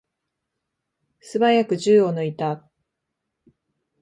すばやく銃を抜いた。